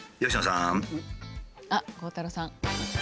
あっ鋼太郎さん。